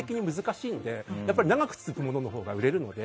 長く続くもののほうが売れるので。